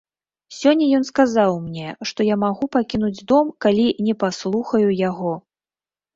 Сёння ён сказаў мне, што я магу пакінуць дом, калі не паслухаю яго.